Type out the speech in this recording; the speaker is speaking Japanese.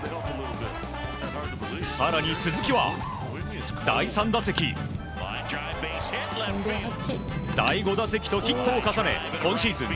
更に、鈴木は第３打席第５打席とヒットを重ね今シーズン